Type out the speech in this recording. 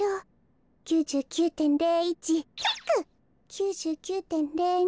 ９９．０２。